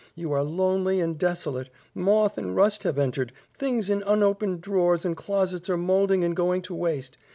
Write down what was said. You are lonely and desolate. Moth and rust have entered, things in unopened drawers and closets are molding and going to waste.